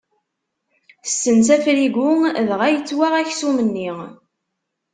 Tessens afrigu dɣa yettwaɣ aksum-nni.